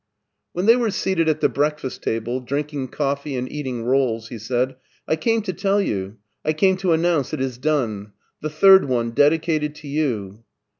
When they were seated at the breakfast table, drink ing coffee and eating rolls, he said :" I came to tell you — I came to announce it is done. The third one, dedicated to you."